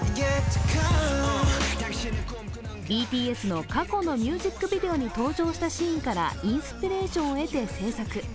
ＢＴＳの過去のミュージックビデオに登場したシーンからインスピレーションを得て制作。